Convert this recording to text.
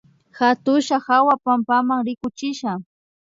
Hakulla hawa pampama rikuchisha